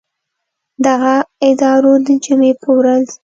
دغه ادارو د جمعې په ورځ